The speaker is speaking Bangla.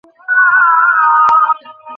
বোঝোইতো, লোকেরা নানাধরণের কথা বলে।